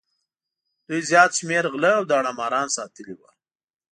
دوی زیات شمېر غله او داړه ماران ساتلي وو.